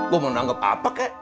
gue mau menanggap apa kek